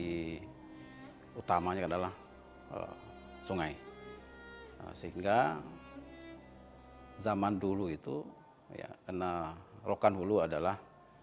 hai utamanya adalah sungai sehingga zaman dulu itu ya kena rokan hulu adalah